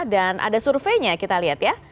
dan ada surveinya kita lihat ya